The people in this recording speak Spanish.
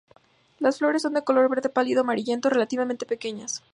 Las flores son de color verde pálido amarillento, relativamente pequeñas.